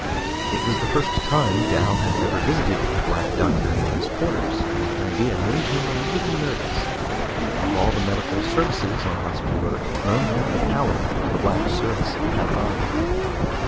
It was the first time Dal had ever visited a Black Doctor in his quarters, and the idea made him a little nervous. Of all the medical services on Hospital Earth, none had the power of the Black Service of Pathology.